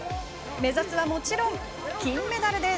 目指すはもちろん金メダルです。